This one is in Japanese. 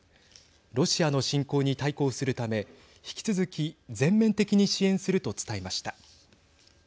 ロシアの侵攻に対抗するため引き続き全面的に支援すると伝えました。